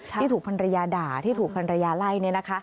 ที่ถูกภรรยาด่าที่ถูกภรรยาไล่เนี่ยนะคะ